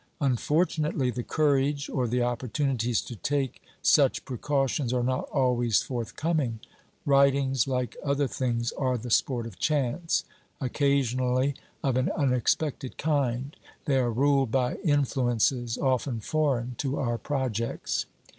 Unfortunately the courage or the opportunities to take such precautions are not always forth coming; writings, like other things, are the sport of chance, occasionally of an unexpected kind : they are ruled by influences often foreign to our projects.